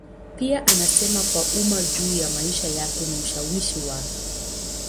Pia anasema kwa umma juu ya maisha yake na ushawishi wake.